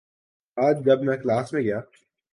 آج جب میں کلاس میں گیا